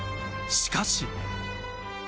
しかし。